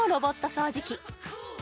掃除機